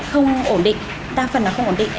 không ổn định đa phần là không ổn định